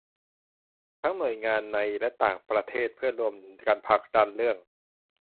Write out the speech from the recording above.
ทั้งหน่วยงานในและต่างประเทศเพื่อร่วมกันผลักดันเรื่อง